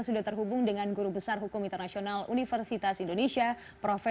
selamat pagi prof